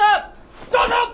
どうぞ！